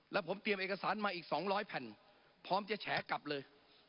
แล้วผมเตรียมเอกสารมาอีก๒๐๐แผ่นพร้อมจะแฉกลับเลย